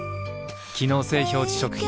機能性表示食品